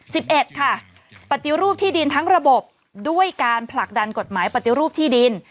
เอ็ดค่ะปฏิรูปที่ดินทั้งระบบด้วยการผลักดันกฎหมายปฏิรูปที่ดิน